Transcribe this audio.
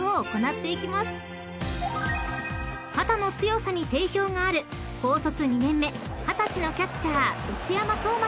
［肩の強さに定評がある高卒２年目二十歳のキャッチャー］